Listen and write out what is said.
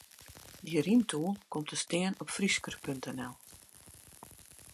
De rymtool komt te stean op Frysker.nl.